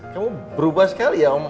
kamu berubah sekali ya om